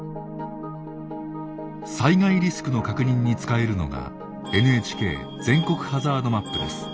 災害リスクの確認に使えるのがＮＨＫ全国ハザードマップです。